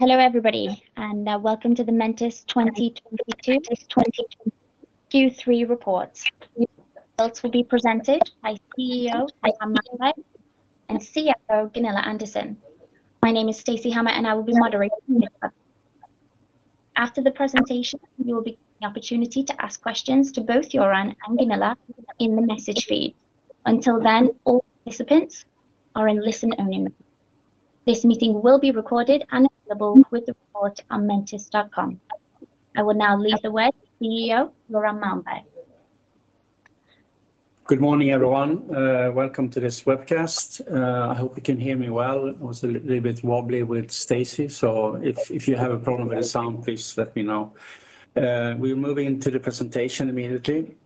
Hello, everybody, and welcome to the Mentice 2022 Q3 reports. Reports will be presented by CEO Göran Malmberg and CFO Gunilla Andersson. My name is Stacy Hammar and I will be moderating. After the presentation, you will have the opportunity to ask questions to both Göran and Gunilla in the message feed. Until then, all participants are in listen-only mode. This meeting will be recorded and available with the report on mentice.com. I will now lead the way to CEO Göran Malmberg. Good morning, everyone. Welcome to this webcast. I hope you can hear me well. It was a little bit wobbly with Stacy, so if you have a problem with the sound, please let me know. We're moving to the presentation immediately.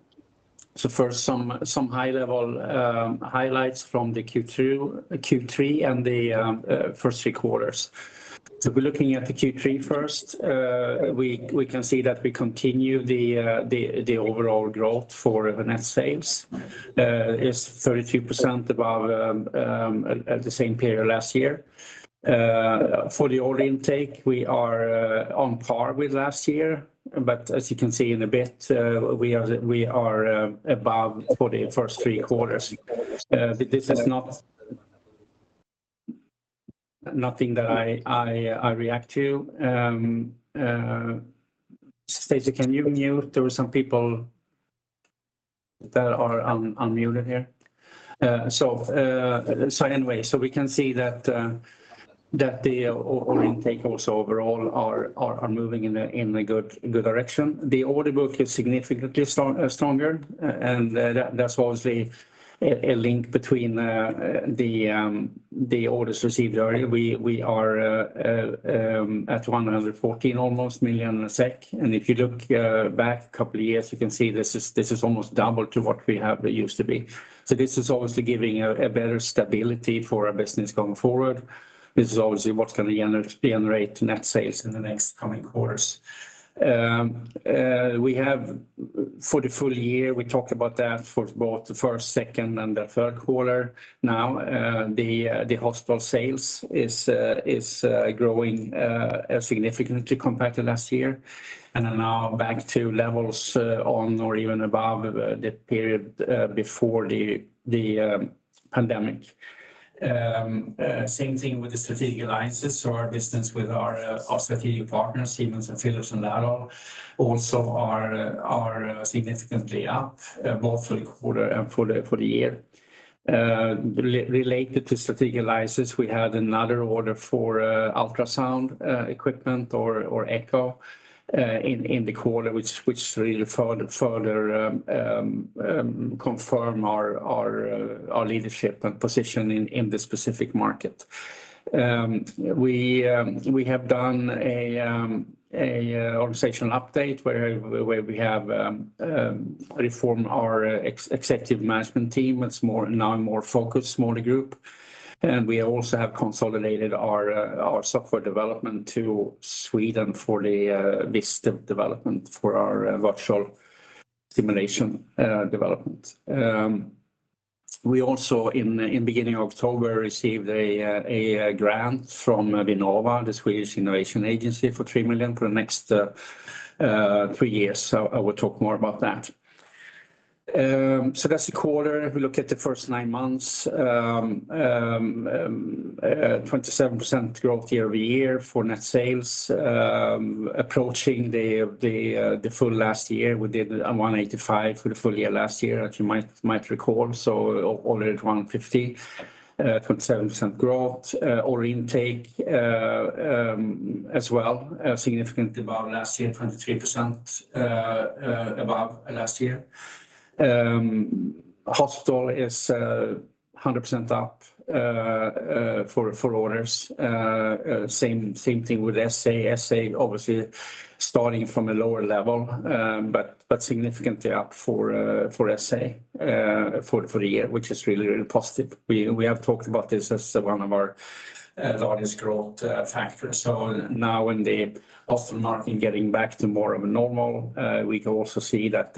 First, some high-level highlights from the Q2, Q3, and the first three quarters. We're looking at the Q3 first. We can see that we continue the overall growth for the net sales. It's 32% above at the same period last year. For the order intake, we are on par with last year. As you can see in a bit, we are above for the first three quarters. This is not nothing that I react to. Stacy, can you mute? There were some people that are unmuted here. Anyway, we can see that the order intake also overall are moving in a good direction. The order book is significantly strong, stronger. That's obviously a link between the orders received earlier. We are at almost 114 million. If you look back a couple of years, you can see this is almost double to what it used to be. This is obviously giving a better stability for our business going forward, which is obviously what's gonna generate net sales in the next coming quarters. We have for the full year, we talked about that for both the first, second, and the third quarter now. The hospital sales is growing significantly compared to last year, and are now back to levels on or even above the period before the pandemic. Same thing with the strategic alliances or our business with our strategic partners, Siemens and Philips and that all also are significantly up both for the quarter and for the year. Related to strategic alliances, we had another order for ultrasound equipment or echo in the quarter, which really further confirm our leadership and position in this specific market. We have done a organizational update where we have reformed our executive management team. It's now a more focused smaller group. We also have consolidated our software development to Sweden for the VIST development for our virtual simulation development. We also in beginning of October received a grant from Vinnova, the Swedish innovation agency, for 3 million for the next three years. I will talk more about that. That's the quarter. If we look at the first nine months, 27% growth year-over-year for net sales. Approaching the full year last year, we did 185 million for the full year last year, as you might recall. Already at 150 million, 27% growth. Order intake as well significantly above last year, 23% above last year. Hospital is 100% up for orders. Same thing with SA. SA obviously starting from a lower level, but significantly up for SA for the year, which is really positive. We have talked about this as one of our largest growth factors. Now in the hospital market getting back to more of a normal, we can also see that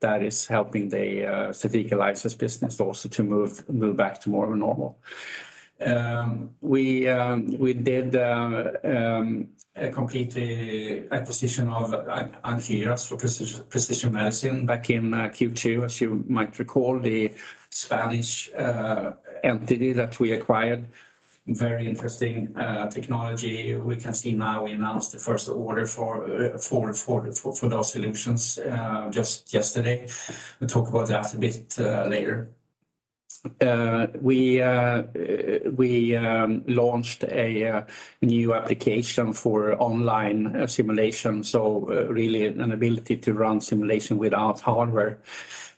that is helping the strategic alliances business also to move back to more of a normal. We did a complete acquisition of Ankyras for precision medicine back in Q2. As you might recall, the Spanish entity that we acquired, very interesting technology. We can see now we announced the first order for those solutions just yesterday. We'll talk about that a bit later. We launched a new application for online simulation. Really an ability to run simulation without hardware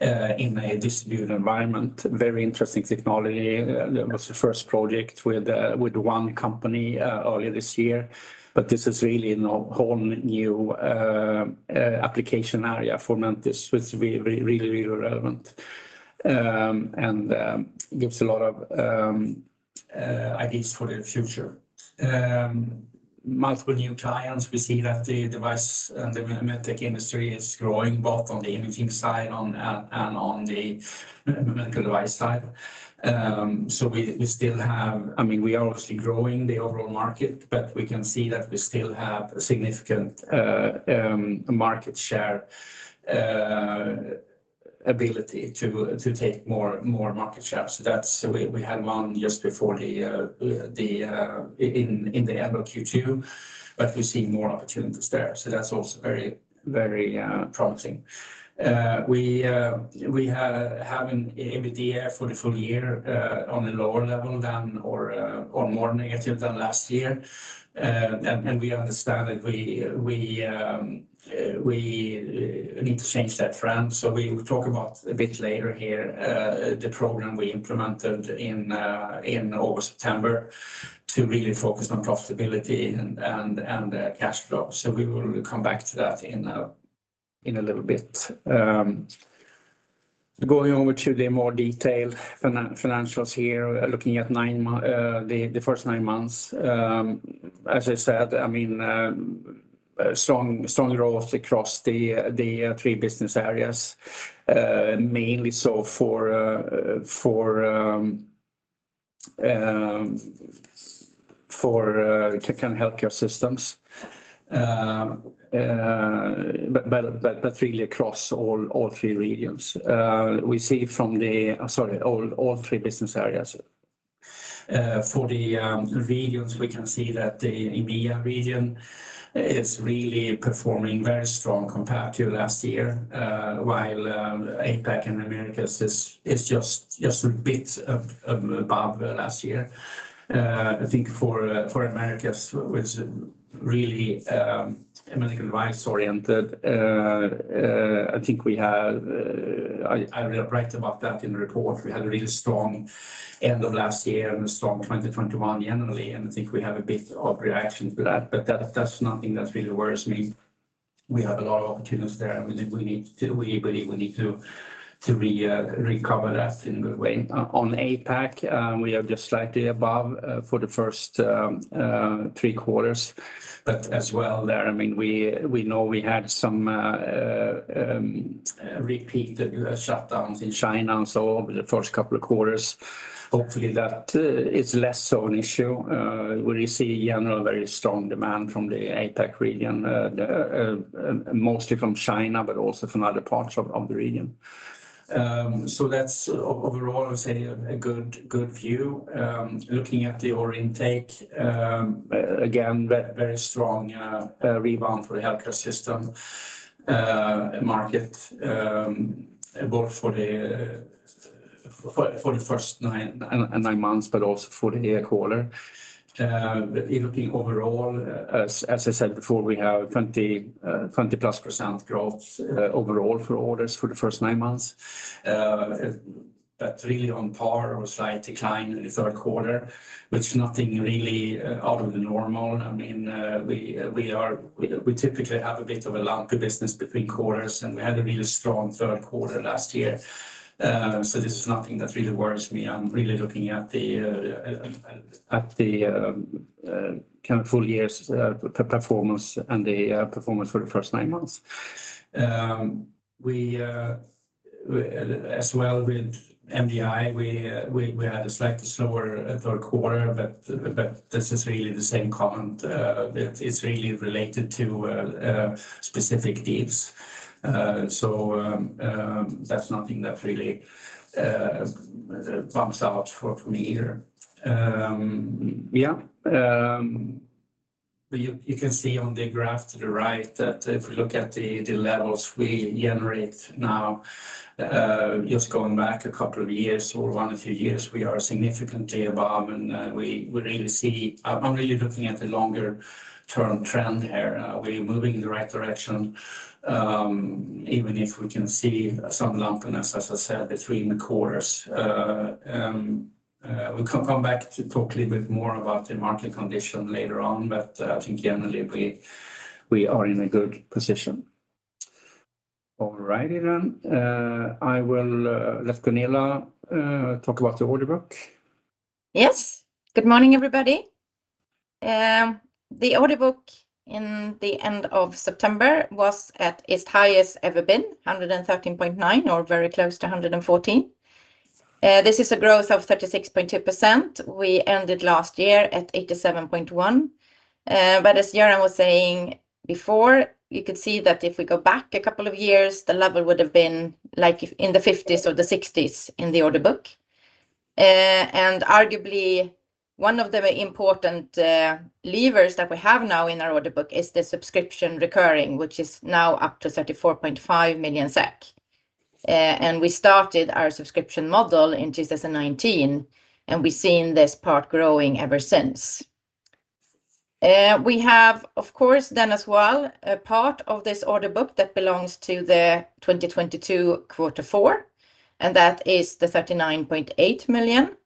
in a distributed environment. Very interesting technology. That was the first project with one company earlier this year. This is really now whole new application area for Mentice, which is really relevant. Gives a lot of ideas for the future. Multiple new clients, we see that the device and the med tech industry is growing both on the imaging side and on the medical device side. We still have. I mean, we are obviously growing the overall market, but we can see that we still have significant market share ability to take more market share. That's. We had one just before the in the end of Q2, but we're seeing more opportunities there. That's also very promising. We have an EBITDA for the full year on a lower level than, or more negative than, last year. We understand that we need to change that trend. We will talk about a bit later here, the program we implemented in August, September to really focus on profitability and cash flow. We will come back to that in a little bit. Going over to the more detailed financials here, looking at the first nine months. As I said, I mean, strong growth across the three business areas, mainly so for healthcare systems, but really across all three business areas. For the regions, we can see that the EMEA region is really performing very strong compared to last year. While APAC and Americas is just a bit above last year. I think for Americas, which really a medical device-oriented. I write about that in the report. We had a really strong end of last year and a strong 2021 generally, and I think we have a bit of reaction to that. That's nothing that really worries me. We have a lot of opportunities there, and we believe we need to recover that in a good way. On APAC, we are just slightly above for the first three quarters. As well there, I mean, we know we had some repeated shutdowns in China and so over the first couple of quarters. Hopefully that is less of an issue where you see general very strong demand from the APAC region mostly from China but also from other parts of the region. That's overall, I would say, a good view. Looking at the order intake, again, very strong rebound for the healthcare system market both for the first nine months but also for the quarter. Looking overall, as I said before, we have 20%+ growth overall for orders for the first nine months. Really on par or slight decline in the third quarter, but nothing really out of the normal. I mean, we typically have a bit of a lumpy business between quarters, and we had a really strong third quarter last year. This is nothing that really worries me. I'm really looking at the kind of full year's performance and the performance for the first nine months. We as well with MDI had a slightly slower third quarter, but this is really the same comment. That is really related to specific deals. That's nothing that really jumps out for me here. Yeah. You can see on the graph to the right that if we look at the levels we generate now, just going back a couple of years or one or two years, we are significantly above, and we really see. I'm really looking at the longer-term trend here. We're moving in the right direction, even if we can see some lumpiness, as I said, between the quarters. We'll come back to talk a little bit more about the market condition later on. I think generally, we are in a good position. All righty then. I will let Gunilla talk about the order book. Yes. Good morning, everybody. The order book in the end of September was at its highest ever been, 113.9 million or very close to 114 million. This is a growth of 36.2%. We ended last year at 87.1 million. As Göran was saying before, you could see that if we go back a couple of years, the level would have been like in the fifties or the sixties in the order book. Arguably, one of the important levers that we have now in our order book is the subscription recurring, which is now up to 34.5 million SEK. We started our subscription model in 2019, and we've seen this part growing ever since. We have, of course, then as well, a part of this order book that belongs to the 2022 quarter four, and that is the 39.8 million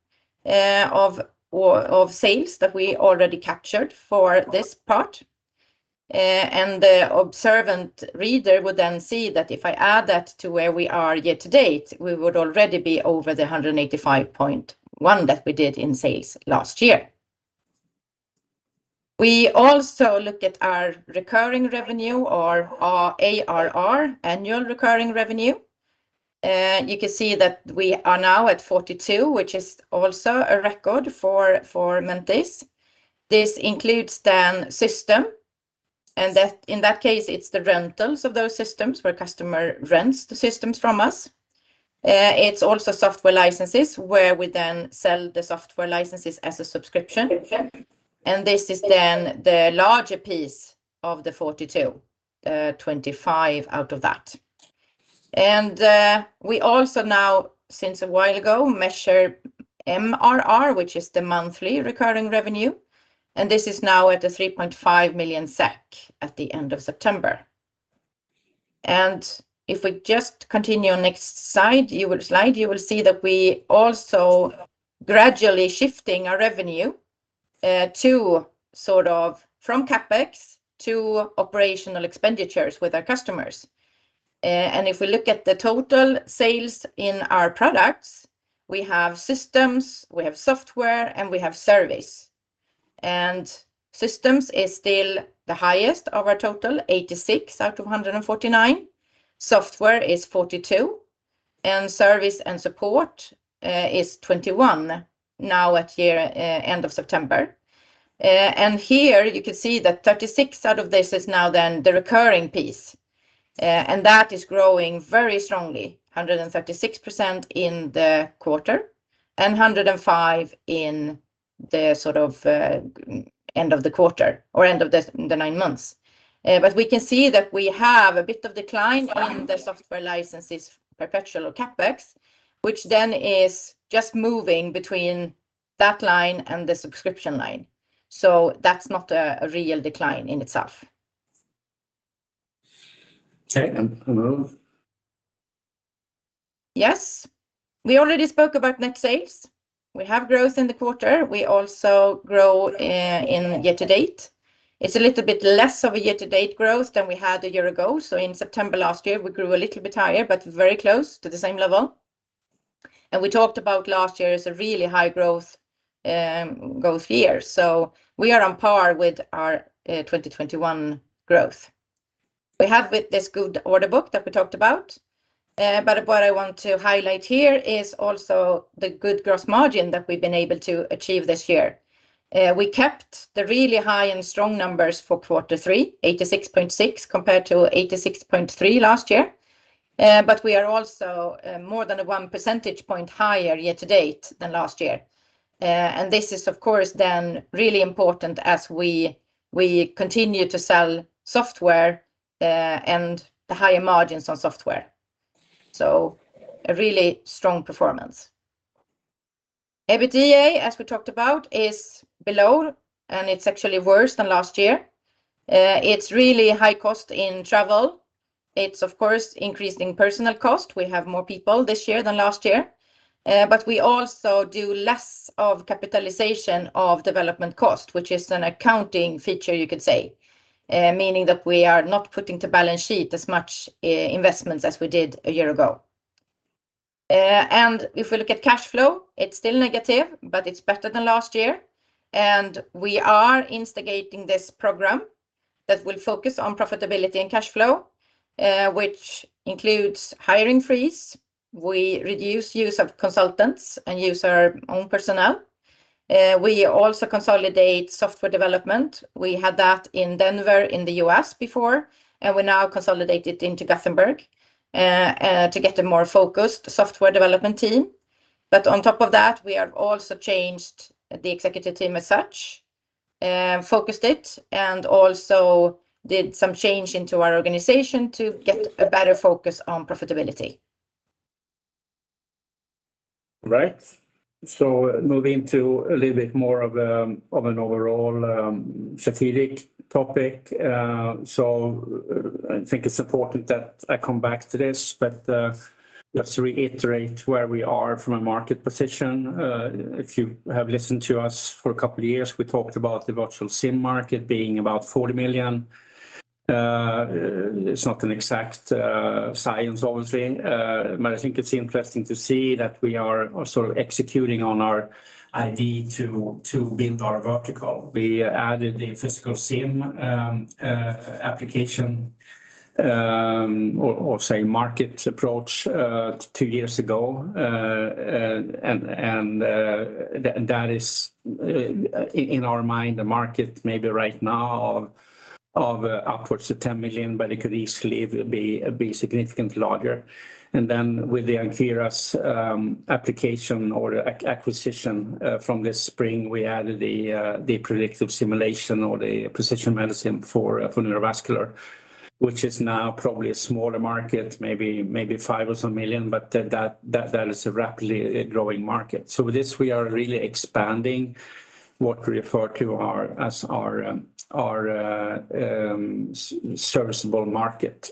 of sales that we already captured for this part. The observant reader would then see that if I add that to where we are year to date, we would already be over the 185.1 million that we did in sales last year. We also look at our recurring revenue or our ARR, annual recurring revenue. You can see that we are now at 42 million, which is also a record for Mentice. This includes then system, and in that case, it's the rentals of those systems where customer rents the systems from us. It's also software licenses where we then sell the software licenses as a subscription. This is then the larger piece of the 42 million, 25 million out of that. We also now, since a while ago, measure MRR, which is the monthly recurring revenue, and this is now at 3.5 million SEK at the end of September. If we just continue on next slide, you will see that we also gradually shifting our revenue to sort of from CapEx to operational expenditures with our customers. If we look at the total sales in our products, we have systems, we have software, and we have service. Systems is still the highest of our total, 86 million out of 149 million. Software is 42 million, and service and support is 21 million now at year end of September. Here you can see that 36% of this is now then the recurring piece. That is growing very strongly, 136% in the quarter, and 105% in the sort of end of the quarter or end of the nine months. We can see that we have a bit of decline on the software licenses, perpetual CapEx, which then is just moving between that line and the subscription line. That's not a real decline in itself. Okay. Move. Yes. We already spoke about net sales. We have growth in the quarter. We also grow in year to date. It's a little bit less of a year to date growth than we had a year ago. In September last year, we grew a little bit higher, but very close to the same level. We talked about last year as a really high growth year. We are on par with our 2021 growth. We have with this good order book that we talked about. But what I want to highlight here is also the good gross margin that we've been able to achieve this year. We kept the really high and strong numbers for quarter three, 86.6% compared to 86.3% last year. We are also more than one percentage point higher year to date than last year. This is of course really important as we continue to sell software and the higher margins on software. A really strong performance. EBITDA, as we talked about, is below, and it's actually worse than last year. It's really high costs in travel. It's of course increasing personnel costs. We have more people this year than last year. We also do less of the capitalization of development costs, which is an accounting feature you could say. Meaning that we are not putting to the balance sheet as much investments as we did a year ago. If we look at cash flow, it's still negative, but it's better than last year. We are initiating this program that will focus on profitability and cash flow, which includes hiring freeze. We reduce use of consultants and use our own personnel. We also consolidate software development. We had that in Denver in the U.S. before, and we now consolidate it into Gothenburg to get a more focused software development team. On top of that, we have also changed the executive team as such, focused it, and also did some changes to our organization to get a better focus on profitability. Right. Moving to a little bit more of an overall strategic topic. I think it's important that I come back to this, but let's reiterate where we are from a market position. If you have listened to us for a couple of years, we talked about the virtual sim market being about 40 million. It's not an exact science obviously, but I think it's interesting to see that we are sort of executing on our idea to build our vertical. We added the physical sim application, or say market approach, two years ago. That is, in our mind, the market maybe right now of upwards of 10 million, but it could easily be significantly larger. With the Ankyras acquisition from this spring, we added the predictive simulation or the precision medicine for neurovascular, which is now probably a smaller market, maybe 5 million or so, but that is a rapidly growing market. With this, we are really expanding what we refer to as our serviceable market.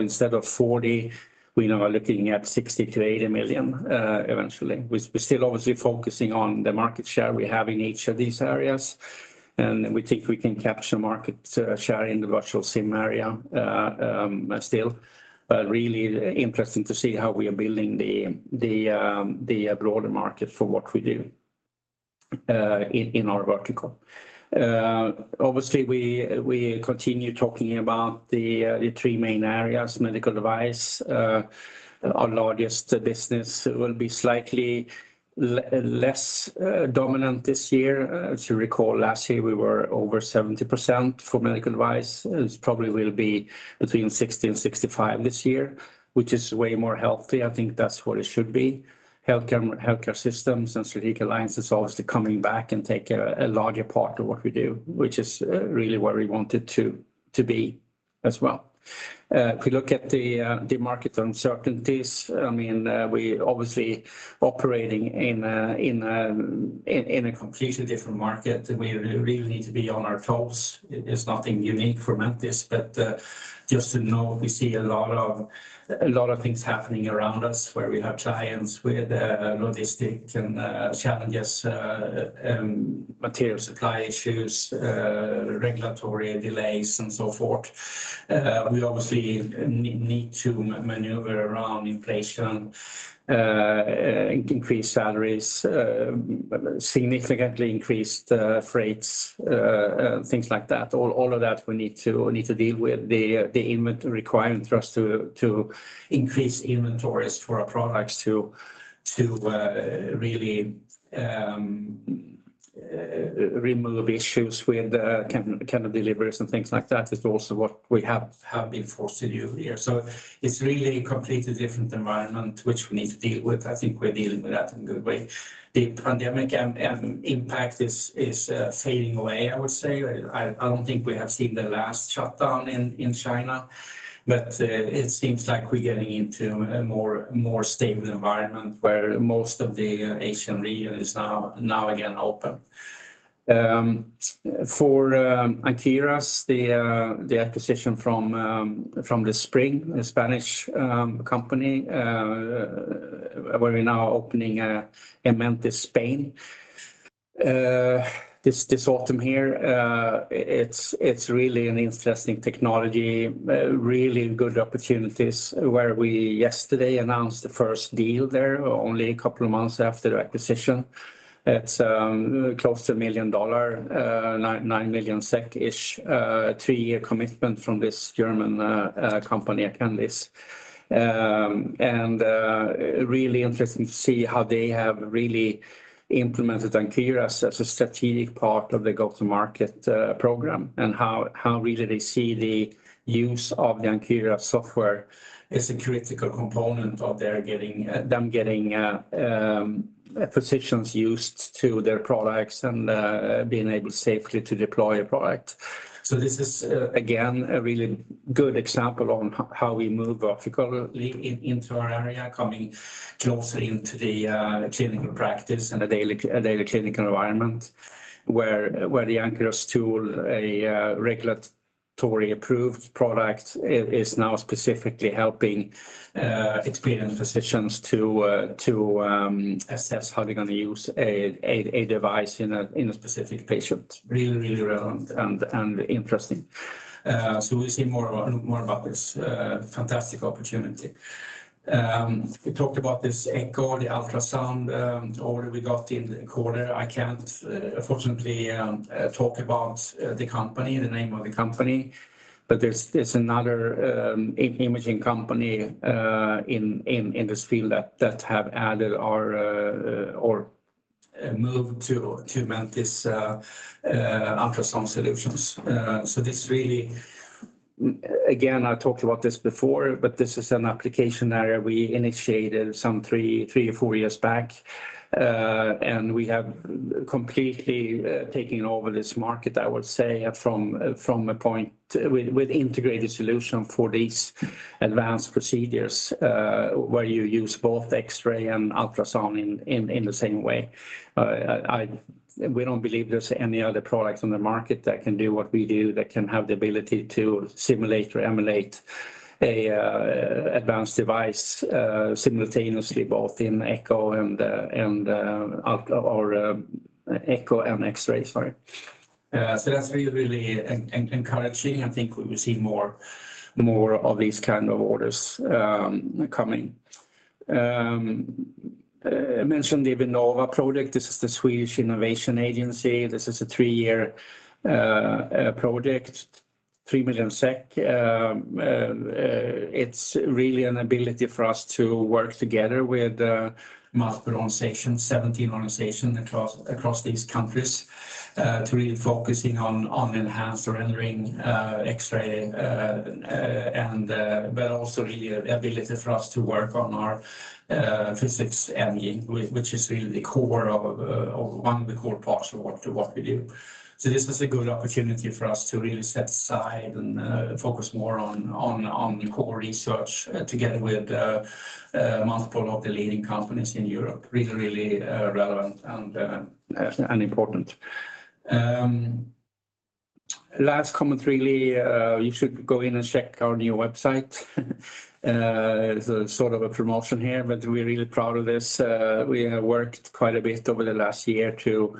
Instead of 40 million, we now are looking at 60 million-80 million eventually. We're still obviously focusing on the market share we have in each of these areas. We think we can capture market share in the virtual sim area still. Really interesting to see how we are building the broader market for what we do in our vertical. Obviously, we continue talking about the three main areas, medical device. Our largest business will be slightly less dominant this year. As you recall, last year, we were over 70% for medical device. It probably will be between 60%-65% this year, which is way more healthy. I think that's what it should be. Healthcare systems and strategic alliances obviously coming back and take a larger part of what we do, which is really where we want it to be as well. If we look at the market uncertainties, I mean, we're obviously operating in a completely different market. We really need to be on our toes. It's nothing unique for Mentice, but just so you know we see a lot of things happening around us, where we have clients with logistics and challenges, material supply issues, regulatory delays, and so forth. We obviously need to maneuver around inflation, increased salaries, significantly increased freights, things like that. All of that we need to deal with, the inventory requirement for us to increase inventories for our products to really remove issues with can deliveries and things like that, is also what we have been forced to do here. It's really a completely different environment which we need to deal with. I think we're dealing with that in a good way. The pandemic and impact is fading away, I would say. I don't think we have seen the last shutdown in China. It seems like we're getting into a more stable environment where most of the Asian region is now again open. For Ankyras, the acquisition this spring, a Spanish company, where we're now opening a Mentice Spain this autumn here. It's really an interesting technology, really good opportunities where we yesterday announced the first deal there only a couple of months after the acquisition. It's close to $1 million, 9 million SEK-ish, three-year commitment from this German company, Acandis. Really interesting to see how they have really implemented Ankyras as a strategic part of the go-to-market program and how really they see the use of the Ankyras software as a critical component of their getting physicians used to their products and being able safely to deploy a product. This is again a really good example on how we move vertically into our area, coming closer into the clinical practice and the daily clinical environment where the Ankyras tool, a regulatory-approved product is now specifically helping experienced physicians to assess how they're gonna use a device in a specific patient. Really relevant and interesting. We'll see more about this fantastic opportunity. We talked about this echo, the ultrasound, order we got in the quarter. I can't, unfortunately, talk about the company, the name of the company. There's another imaging company in this field that have added our or moved to Mentice ultrasound solutions. This really, again, I talked about this before, but this is an application area we initiated some three or four years back. We have completely taken over this market, I would say, from a point with integrated solution for these advanced procedures, where you use both X-ray and ultrasound in the same way. We don't believe there's any other products on the market that can do what we do, that can have the ability to simulate or emulate a advanced device simultaneously both in echo and X-ray, sorry. That's really encouraging. I think we will see more of these kind of orders coming. I mentioned the Vinnova project. This is Sweden's innovation agency. This is a three-year project, 3 million SEK. It's really an ability for us to work together with multiple organizations, 17 organizations across these countries to really focusing on enhanced rendering, X-ray, and but also really ability for us to work on our physics engine, which is really the core of one of the core parts of what we do. This is a good opportunity for us to really set aside and focus more on the core research together with multiple of the leading companies in Europe. Really relevant and important. Last comment really, you should go in and check our new website. It's a sort of a promotion here, but we're really proud of this. We have worked quite a bit over the last year to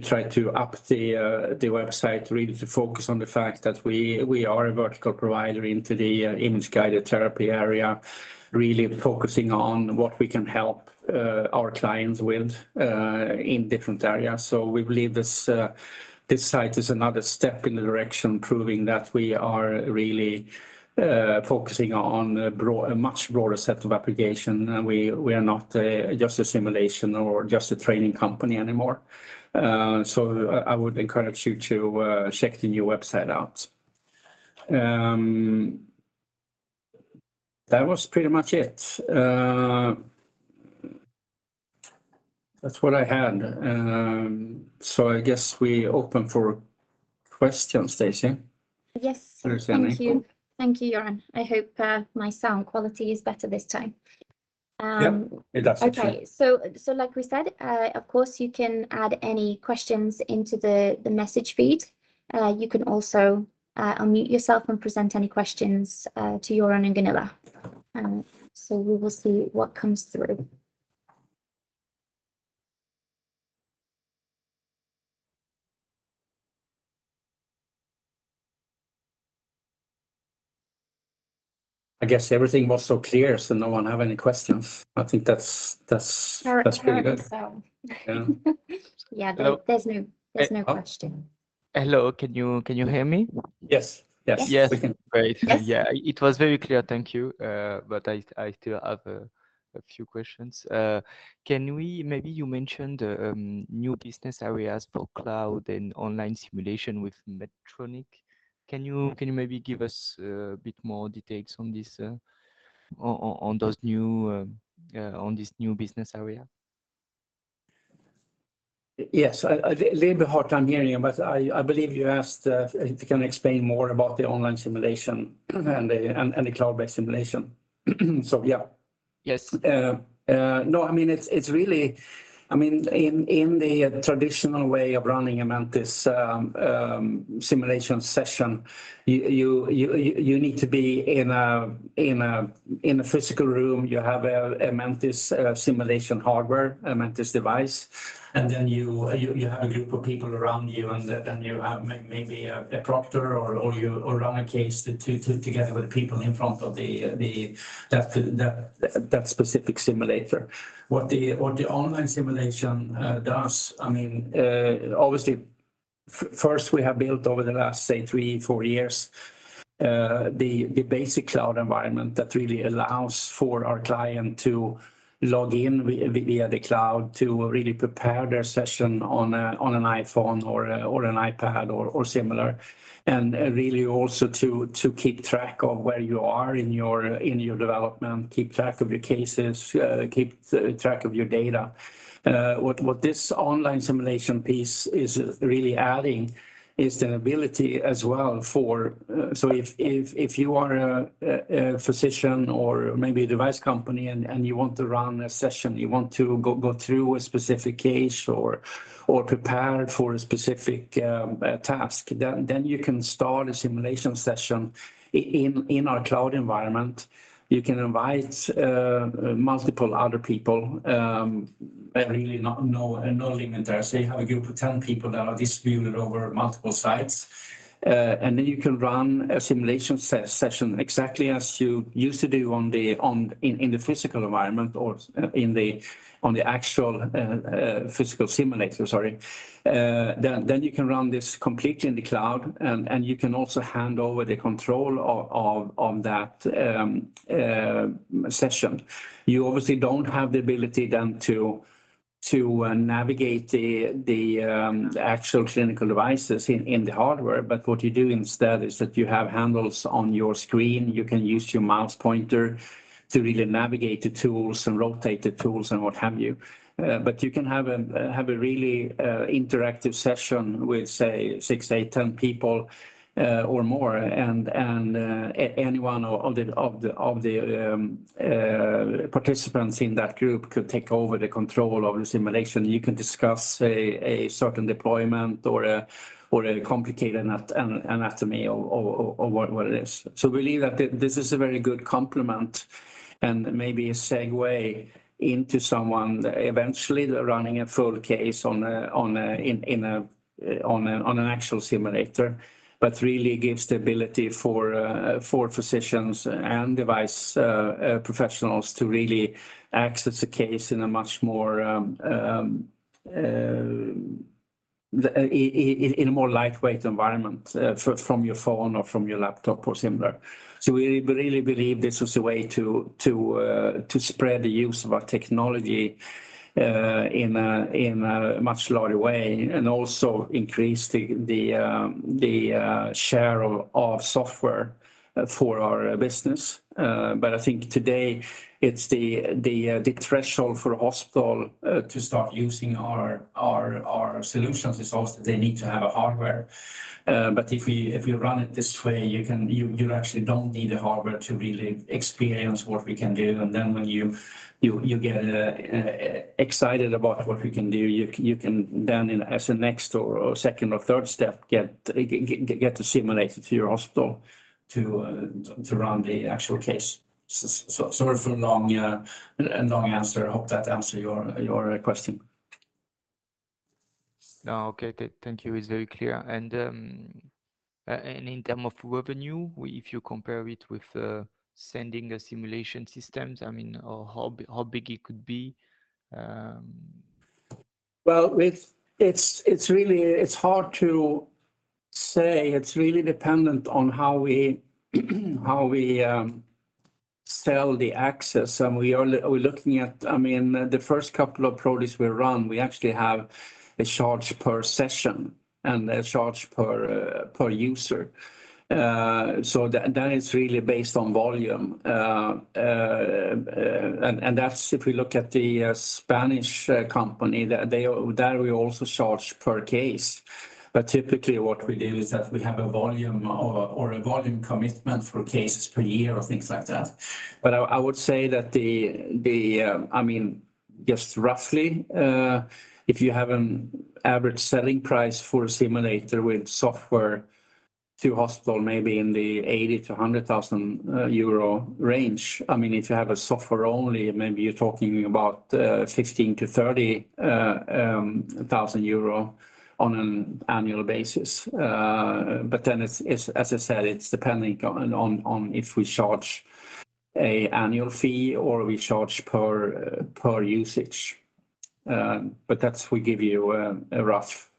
try to update the website really to focus on the fact that we are a vertical provider into the image-guided therapy area, really focusing on what we can help our clients with in different areas. We believe this site is another step in the direction proving that we are really focusing on a much broader set of application, and we are not just a simulation or just a training company anymore. I would encourage you to check the new website out. That was pretty much it. That's what I had. I guess we're open for questions, Stacy. Yes. Is there any more? Thank you. Thank you, Göran. I hope my sound quality is better this time. Yeah, it absolutely. Okay. Like we said, of course, you can add any questions into the message feed. You can also unmute yourself and present any questions to Göran and Gunilla. We will see what comes through. I guess everything was so clear, so no one have any questions. I think that's pretty good. I reckon so. Yeah. Yeah, there- Hello. There's no question. Hello. Can you hear me? Yes. Yes. Yes. We can. Great. Yes. Yeah, it was very clear, thank you. I still have a few questions. Maybe you mentioned new business areas for cloud and online simulation with Medtronic. Can you maybe give us a bit more details on this new business area? Yes. I had a little bit of a hard time hearing you, but I believe you asked if I can explain more about the online simulation and the cloud-based simulation. Yeah. Yes. No, I mean, it's really. I mean, in the traditional way of running a Mentice simulation session, you need to be in a physical room. You have a Mentice simulation hardware, a Mentice device, and then you have a group of people around you, and then you have maybe a proctor or you run a case together with people in front of that specific simulator. What the online simulation does, I mean, obviously first we have built over the last, say, three, four years, the basic cloud environment that really allows for our client to log in via the cloud to really prepare their session on a, on an iPhone or an iPad or similar, and, really also to keep track of where you are in your development, keep track of your cases, keep track of your data. What this online simulation piece is really adding is the ability as well for. If you are a physician or maybe a device company and you want to run a session, you want to go through a specific case or prepare for a specific task, then you can start a simulation session in our cloud environment. You can invite multiple other people. Really no limit there. Say you have a group of 10 people that are distributed over multiple sites. Then you can run a simulation session exactly as you used to do in the physical environment or in the actual physical simulator, sorry. Then you can run this completely in the cloud, and you can also hand over the control of that session. You obviously don't have the ability then to navigate the actual clinical devices in the hardware. What you do instead is that you have handles on your screen. You can use your mouse pointer to really navigate the tools and rotate the tools and what have you. You can have a really interactive session with, say, six, eight, 10 people or more and any one of the participants in that group could take over the control of the simulation. You can discuss a certain deployment or a complicated anatomy or what it is. I believe that this is a very good complement and maybe a segue into someone eventually running a full case on an actual simulator, but really gives the ability for physicians and device professionals to really access a case in a much more lightweight environment from your phone or from your laptop or similar. We really believe this was a way to spread the use of our technology in a much larger way and also increase the share of software for our business. I think today it's the threshold for a hospital to start using our solutions is that they need to have hardware. If we run it this way, you actually don't need the hardware to really experience what we can do, and then when you get excited about what we can do, you can then as a next or second or third step, get the simulator to your hospital to run the actual case. Sorry for the long answer. I hope that answers your question. No. Okay. Thank you. It's very clear. In terms of revenue, if you compare it with selling simulation systems, I mean, or how big it could be. Well, it's really hard to say. It's really dependent on how we sell the access. We're looking at, I mean, the first couple of products we run, we actually have a charge per session and a charge per user. That's if we look at the Spanish company that we also charge per case. Typically what we do is that we have a volume or a volume commitment for cases per year or things like that. I would say that the. I mean, just roughly, if you have an average selling price for a simulator with software to hospital, maybe in the 80,000-100,000 euro range.. I mean, if you have a software only, maybe you're talking about 16,000-30,000 euro on an annual basis. Then it's, as I said, it's depending on if we charge an annual fee or we charge per usage. That's, we give you a rough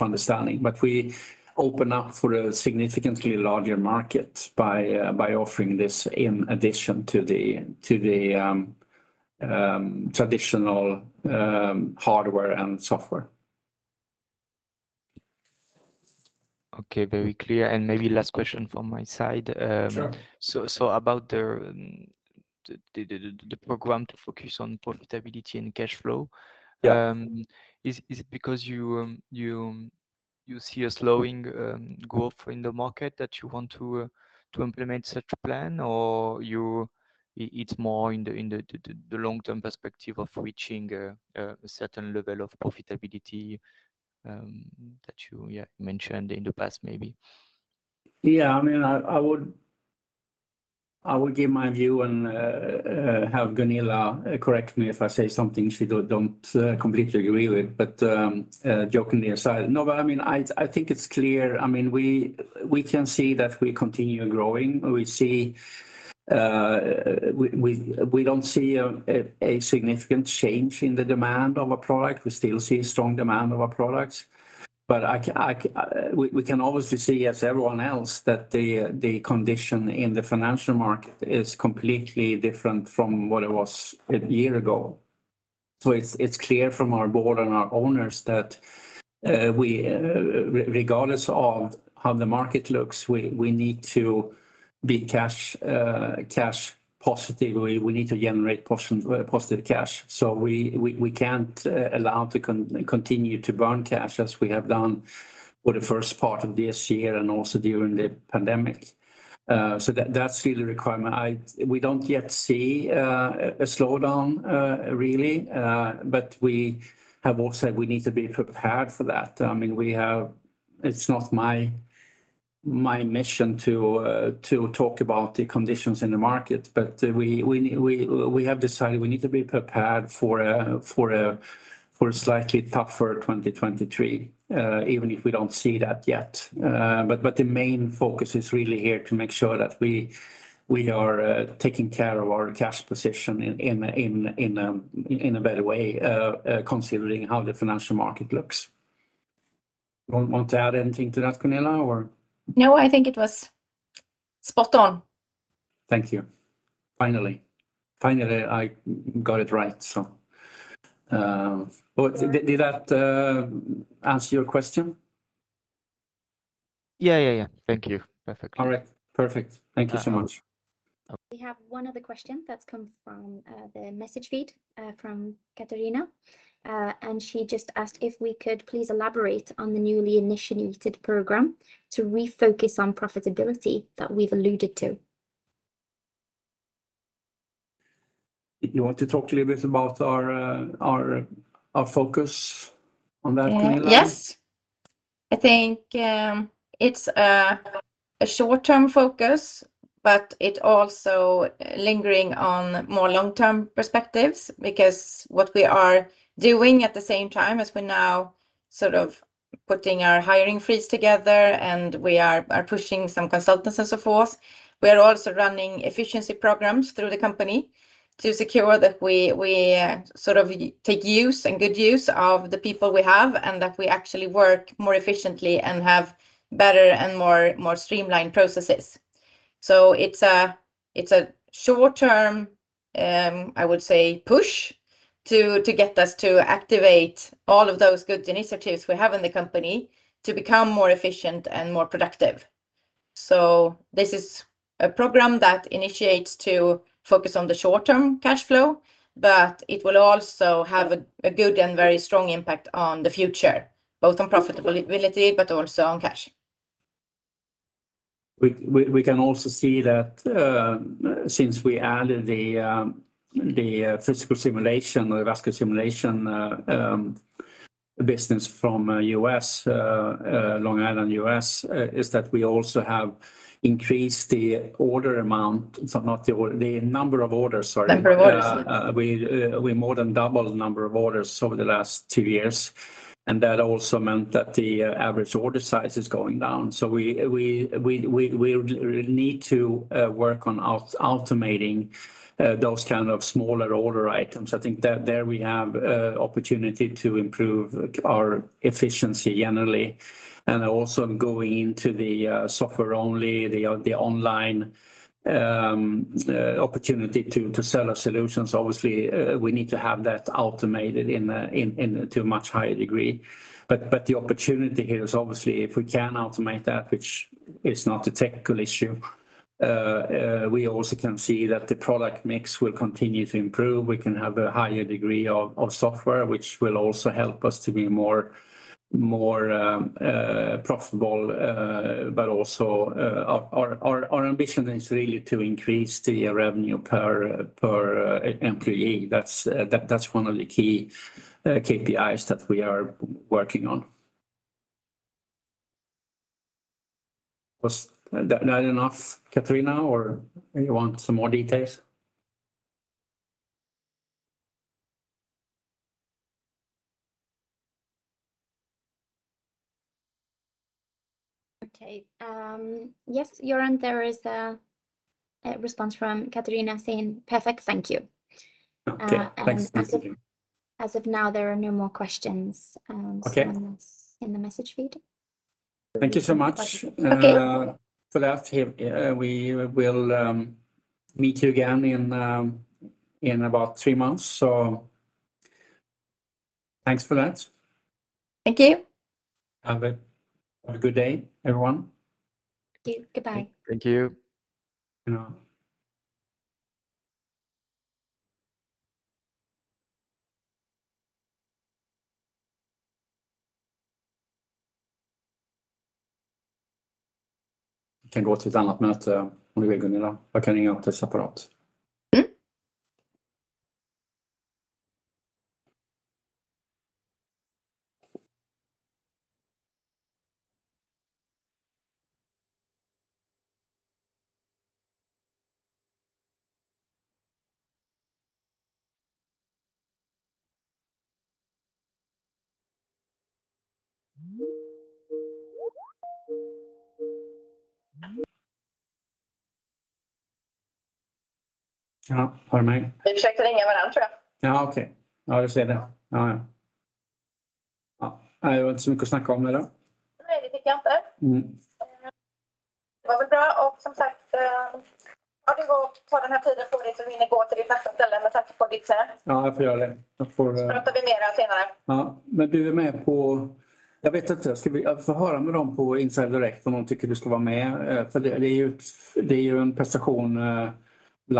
understanding. We open up for a significantly larger market by offering this in addition to the traditional hardware and software. Okay. Very clear. Maybe last question from my side. Sure. About the program to focus on profitability and cash flow. Yeah. Is it because you see a slowing growth in the market that you want to implement such plan? Or is it more in the long-term perspective of reaching a certain level of profitability that you yeah mentioned in the past maybe? Yeah. I mean, I would give my view and have Gunilla correct me if I say something she doesn't completely agree with, but jokingly aside. No, I mean, I think it's clear. I mean, we can see that we continue growing. We see we don't see a significant change in the demand of our product. We still see strong demand of our products. We can obviously see, as everyone else, that the condition in the financial market is completely different from what it was a year ago. It's clear from our board and our owners that we regardless of how the market looks, we need to be cash positive. We need to generate positive cash. We can't afford to continue to burn cash as we have done for the first part of this year and also during the pandemic. That's really the requirement. We don't yet see a slowdown really. We have all said we need to be prepared for that. I mean, it's not my mission to talk about the conditions in the market, but we have decided we need to be prepared for a slightly tougher 2023, even if we don't see that yet. The main focus is really here to make sure that we are taking care of our cash position in a better way, considering how the financial market looks. Want to add anything to that, Gunilla or? No, I think it was spot on. Thank you. Finally, I got it right, so, well, did that answer your question? Yeah, yeah. Thank you. Perfectly. All right. Perfect. Thank you so much. Uh. We have one other question that's come from the message feed from Katarina. She just asked if we could please elaborate on the newly initiated program to refocus on profitability that we've alluded to. You want to talk a little bit about our focus on that, Gunilla? Yeah. Yes. I think it's a short-term focus, but it also lingers on more long-term perspectives because what we are doing at the same time as we're now sort of putting our hiring freeze together and we are pushing some consultants and so forth, we are also running efficiency programs through the company to secure that we sort of make good use of the people we have and that we actually work more efficiently and have better and more streamlined processes. It's a short-term, I would say, push to get us to activate all of those good initiatives we have in the company to become more efficient and more productive. This is a program that initiates to focus on the short-term cash flow, but it will also have a good and very strong impact on the future, both on profitability, but also on cash. We can also see that since we added the physical simulation, the vascular simulation business from U.S., Long Island, U.S., is that we also have increased the order amount, not the order, the number of orders, sorry. Number of orders. We more than doubled the number of orders over the last two years. That also meant that the average order size is going down. We need to work on eliminating those kind of smaller order items. I think that there we have opportunity to improve our efficiency generally. Also going into the software only, online opportunity to sell our solutions. Obviously, we need to have that automated into a much higher degree. The opportunity here is obviously if we can automate that, which is not a technical issue, we also can see that the product mix will continue to improve. We can have a higher degree of software, which will also help us to be more profitable, but also our ambition is really to increase the revenue per employee. That's one of the key KPIs that we are working on. Was that not enough, Katarina, or you want some more details? Okay. Yes, Göran, there is a response from Katarina saying, Perfect, thank you. Okay, thanks Katarina. As of now, there are no more questions. Okay. In the message feed. Thank you so much. Okay. For that. We will meet you again in about three months. Thanks for that. Thank you. Have a good day, everyone. Thank you. Goodbye. Thank you. You know.